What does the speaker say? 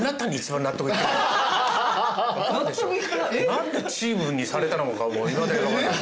何でチームにされたのかもいまだに分からない。